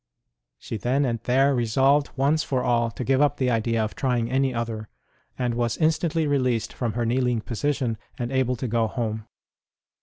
She then and there resolved once for all to give up the idea of trying any other, and was instantly released from her kneeling position and able to go home.